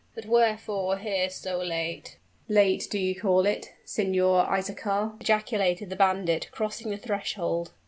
"But wherefore here so late?" "Late, do ye call it. Signor Isaachar?" ejaculated the bandit, crossing the threshold.